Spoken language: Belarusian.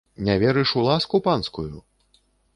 Не верыш у ласку панскую?